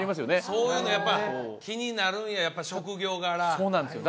そういうのやっぱ気になるんややっぱ職業柄そうなんですよ